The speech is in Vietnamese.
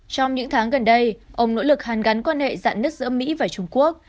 trong những tháng gần đây ông nỗ lực hàn gắn quan hệ dạ nứt giữa mỹ và trung quốc